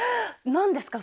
何ですか？